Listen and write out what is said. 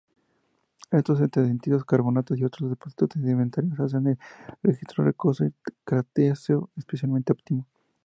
Estos extendidos carbonatos y otros depósitos sedimentarios hacen el registro rocoso cretáceo especialmente óptimo.